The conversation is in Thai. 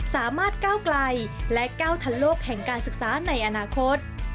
ก้าวไกลและก้าวทันโลกแห่งการศึกษาในอนาคต